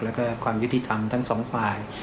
แล้วก็ความยุติธรรมทั้งสองฝ่าย